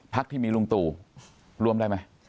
พักที่มีลุงตู่ร่วมได้ไหม